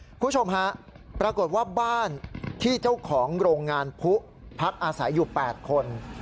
คุณผู้ชมฮะปรากฏว่าบ้านที่เจ้าของโรงงานผู้พักอาศัยอยู่๘คน